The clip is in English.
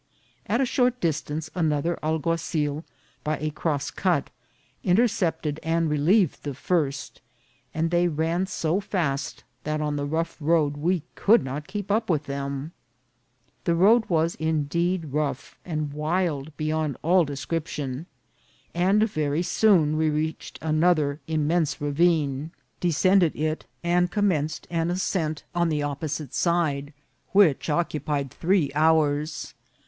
At a short distance another alguazil, by a cross cut, intercepted and relieved the first, and they ran so fast that on the rough road we could not keep up with them. The road was indeed rough and wild beyond all description ; and very soon we reached another im mense ravine, descended it, and commenced an ascent INCIDENTS OF TRAVEL. on the opposite side, which occupied three hours.